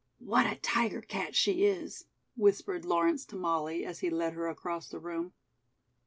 "What a tiger cat she is!" whispered Lawrence to Molly, as he led her across the room.